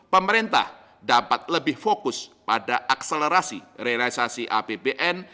pemerintah dapat lebih fokus pada akselerasi realisasi apbn